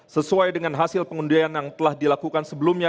sesuai dengan hasil pengundian yang telah dilakukan sebelumnya